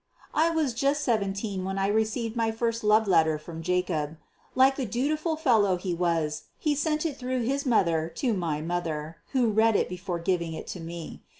I was just seventeen when I received my first love letter from Jacob. Like the dutiful fellow he was, he sent it through his mother, to my mother, who read it before giving it to me.